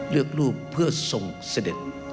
เลือกรูปเพื่อส่งเสด็จ